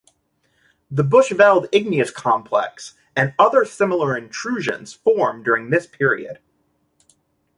The Bushveld Igneous Complex and other similar intrusions formed during this period.